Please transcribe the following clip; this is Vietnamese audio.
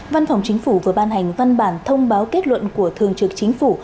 văn phòng chính phủ vừa ban hành văn bản thông báo kết luận của thường trực chính phủ